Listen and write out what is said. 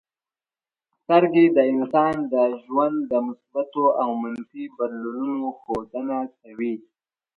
سترګې د انسان د ژوند د مثبتو او منفي بدلونونو ښودنه کوي.